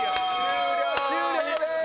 終了です！